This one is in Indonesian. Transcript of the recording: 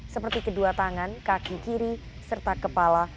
seperti kedua tangan kaki kiri serta kepala